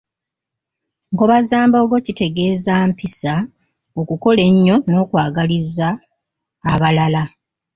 Nkobazambogo kitegeeza mpisa, okukola ennyo n’okwagaliza abalala.